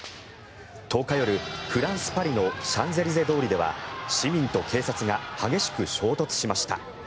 １０日夜、フランス・パリのシャンゼリゼ通りでは市民と警察が激しく衝突しました。